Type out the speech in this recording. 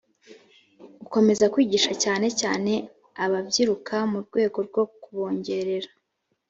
gukomeza kwigisha cyane cyane ababyiruka mu rwego rwo kubongerera